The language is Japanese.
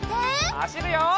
はしるよ！